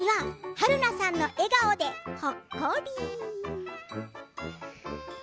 ななみは春菜さんの笑顔でほっこり。